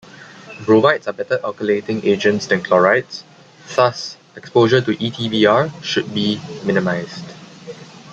Bromides are better alkylating agents than chlorides, thus exposure to EtBr should be minimized.